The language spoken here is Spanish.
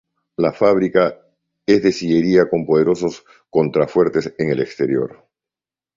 La fábrica es de sillería con poderosos contrafuertes en el exterior.